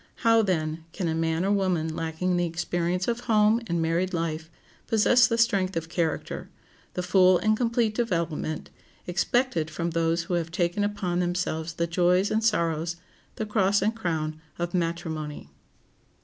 How, then, can a man or woman lacking the experience of home and married life possess the strength of character, the full and complete development, expected from those who have taken upon themselves the joys and sorrows, the cross and crown of matrimony?